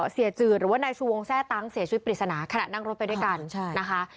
จืดหรือว่านายชูวงแทร่ตั้งเสียชีวิตปริศนาขณะนั่งรถไปด้วยกันนะคะ